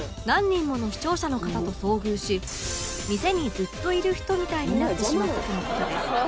何人もの視聴者の方と遭遇し「店にずっといる人」みたいになってしまったとの事です